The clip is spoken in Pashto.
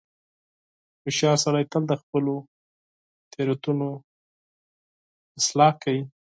• هوښیار سړی تل د خپلو غلطیو اصلاح کوي.